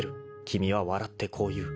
［君は笑ってこう言う。